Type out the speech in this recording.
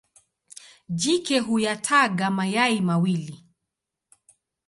Jike huyataga mayai mawili.